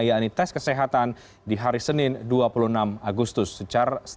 yakni tes kesehatan di hari senin dua puluh enam agustus